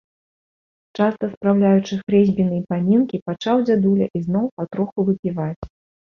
Часта спраўляючы хрэсьбіны і памінкі, пачаў дзядуля ізноў патроху выпіваць.